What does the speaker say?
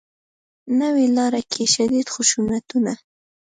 نوې لاره کې شدید خشونتونه